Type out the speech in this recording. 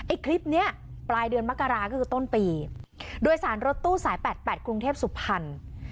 คลิปเนี้ยปลายเดือนมกราก็คือต้นปีโดยสารรถตู้สายแปดแปดกรุงเทพสุพรรณ